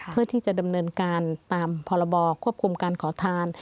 เพื่อที่จะดำเนินการตามพรบควบคุมการขอทาน